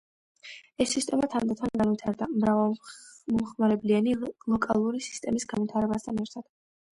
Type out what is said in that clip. ეს სისტემა თანდათან განვითარდა, მრავალმომხმარებლიანი ლოკალური სისტემის განვითარებასთან ერთად.